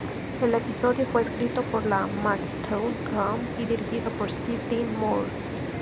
El episodio fue escrito por Ian Maxtone-Graham y dirigido por Steve Dean Moore.